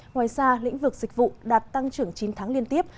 ngoài ra lĩnh vực dịch vụ đạt tăng trưởng chín tháng liên tiếp